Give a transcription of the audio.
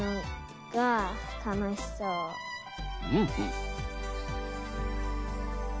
うんうん。